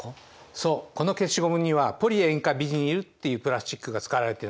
そうこの消しゴムにはポリ塩化ビニルっていうプラスチックが使われてるんです。